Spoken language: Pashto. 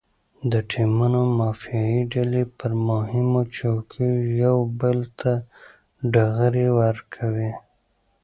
د ټیمونو مافیایي ډلې پر مهمو چوکیو یو بل ته ډغرې ورکوي.